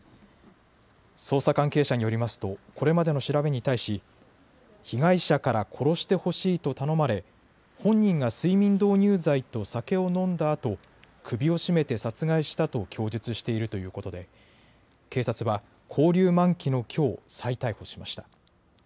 捜査関係者によりますとこれまでの調べに対し被害者から殺してほしいと頼まれ本人が睡眠導入剤と酒を飲んだあと、首を絞めて殺害したと供述しているということで警察は勾留満期のきょう再逮捕しました。